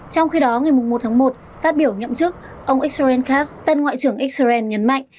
trong khi đó ngày một tháng một phát biểu nhậm chức ông israel kass tên ngoại trưởng israel nhấn mạnh